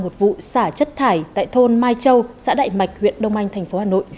một vụ xả chất thải tại thôn mai châu xã đại mạch huyện đông anh tp hà nội